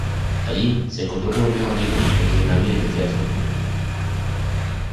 Allí, se encontró con un viejo amigo con quien había hecho teatro en Cuba.